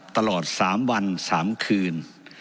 ตลอด๓วัน๓คืน